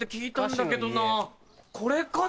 これかな？